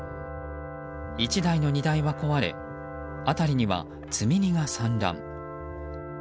１台の荷台は壊れ辺りには積み荷が散乱。